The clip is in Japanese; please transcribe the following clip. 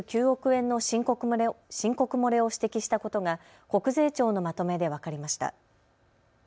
円の申告漏れを指摘したことが国税庁のまとめで分かりました。